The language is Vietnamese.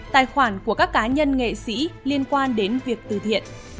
tài khoản của các cá nhân nghệ sĩ liên quan đến việc từ thiện